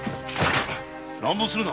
乱暴はするな。